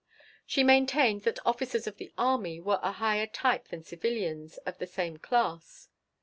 She maintained that officers of the army were a higher type than civilians of the same class.